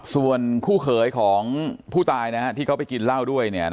ส่วนคู่เขยของผู้ตายที่เขาไปกินเหล้าด้วย